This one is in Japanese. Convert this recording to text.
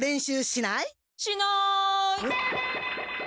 しない！え？